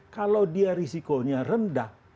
kalau dia risikonya rendah